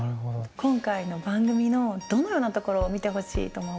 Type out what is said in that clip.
今回の番組のどのようなところを見てほしいと思われますか？